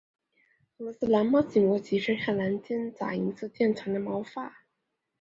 俄罗斯蓝猫起名为其身上蓝色间杂银色渐层的毛发。